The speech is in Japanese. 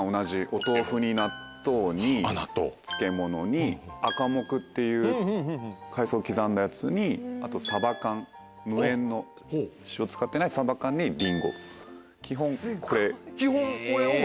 お豆腐に納豆に漬物にアカモクっていう海藻を刻んだやつにあとサバ缶無塩の塩使ってないサバ缶にリンゴ基本これ。